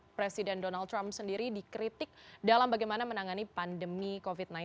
presiden donald trump sendiri dikritik dalam bagaimana menangani pandemi covid sembilan belas